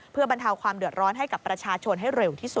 เพื่อบรรเทาความเดือดร้อนให้กับประชาชนให้เร็วที่สุด